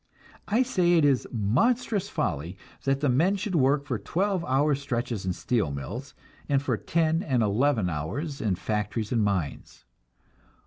I say it is monstrous folly that men should work for twelve hour stretches in steel mills, and for ten and eleven hours in factories and mines.